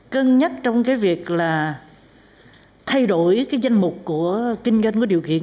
cân nhắc trong cái việc là thay đổi cái danh mục của kinh doanh có điều kiện